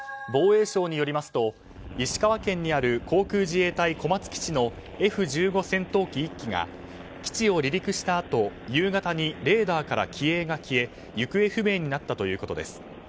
防衛省によりますと石川県にある航空自衛隊小松基地のＦ１５戦闘機１機が基地を離陸したあと夕方にレーダーから機影が消え行方不明になったということです。